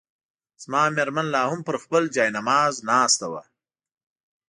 زما مېرمن لا هم پر خپل جاینماز ناست وه.